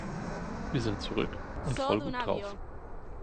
Wir sind zurück und voll gut drauf.